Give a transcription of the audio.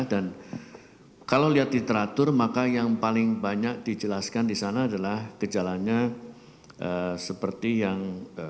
dan kalau lihat literatur maka yang paling banyak dijelaskan di sana adalah kejalannya seperti yang